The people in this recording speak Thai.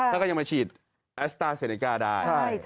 แล้วก็ยังมาฉีดแอสต้าเซเนก้าได้